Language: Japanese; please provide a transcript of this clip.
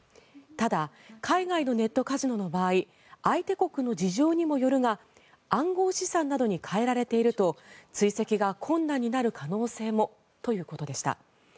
ただ、海外のネットカジノの場合相手国の事情にもよるが暗号資産などに変えられていると追跡が困難になる可能性もということでした。